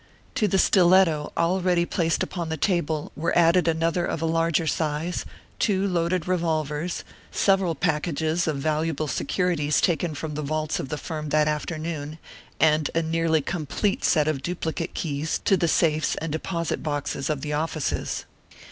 To the stiletto already placed upon the table were added another of larger size, two loaded revolvers, several packages of valuable securities taken from the vaults of the firm that afternoon, and a nearly complete set of duplicate keys to the safes and deposit boxes of the offices.